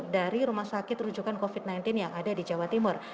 dari rumah sakit rujukan covid sembilan belas yang ada di jawa timur